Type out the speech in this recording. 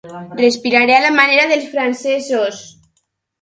Respiraré a la manera dels francesos.